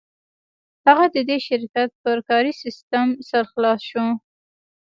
هغه د دې شرکت پر کاري سیسټم سر خلاص شو